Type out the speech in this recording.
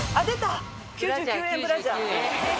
９９円